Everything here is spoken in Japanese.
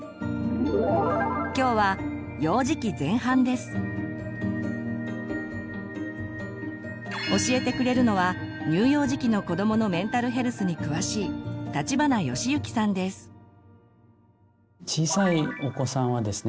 今日は教えてくれるのは乳幼児期の子どものメンタルヘルスに詳しい小さいお子さんはですね